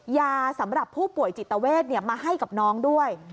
ยาสำหรับผู้ป่วยจิตเวทมาให้กับน้องด้วย